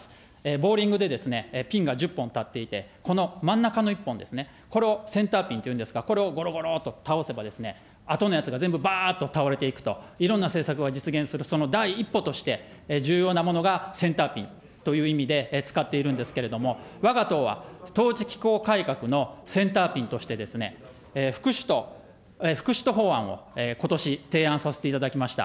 ボウリングで、ピンが１０本立っていて、この真ん中の１本ですね、これをセンターピンというんですが、これをごろごろっと倒せばですね、あとのやつが全部、ばーっと倒れていくと、いろんな政策を実現するその第一歩として、重要なものがセンターピンという意味で使っているんですけれども、わが党は統治機構改革のセンターピンとしてですね、副首都法案をことし、提案させていただきました。